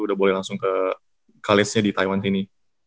udah boleh langsung ke college nya di taiwan sini